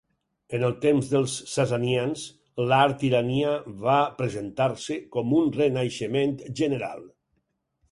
En el temps dels Sasanians, l'art iranià va presentar-se com un renaixement general.